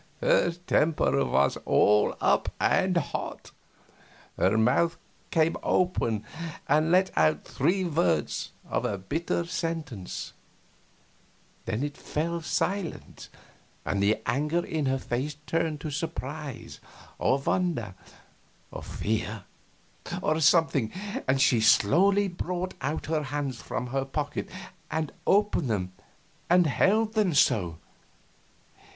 Her temper was all up, and hot. Her mouth came open and let out three words of a bitter sentence, ... then it fell silent, and the anger in her face turned to surprise or wonder or fear, or something, and she slowly brought out her hands from her pockets and opened them and held them so.